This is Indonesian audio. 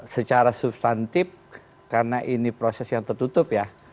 secara substantif karena ini proses yang tertutup ya